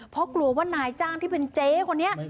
เพราะกลัวว่านายจ้างที่เป็นเจ๊คนนี้